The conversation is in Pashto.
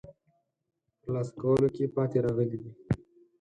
ترلاسه کولو کې پاتې راغلي دي.